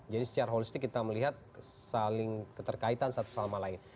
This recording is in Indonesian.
jadi secara holistik kita melihat saling keterkaitan satu sama lain